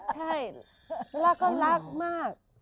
ใช่แล้วก็รักมาก